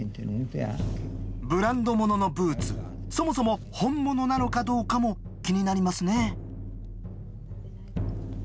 ブランド物のブーツそもそも本物なのかどうかも気になりますね。